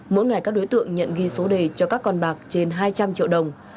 mỗi ngày các đối tượng nhận ghi số đề cho các con bạc trên hai trăm linh triệu đồng